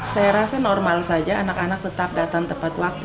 saya rasa normal saja anak anak tetap datang tepat waktu